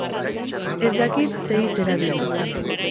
Ez dakit ze hitz erabili.